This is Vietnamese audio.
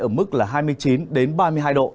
ở mức là hai mươi chín ba mươi hai độ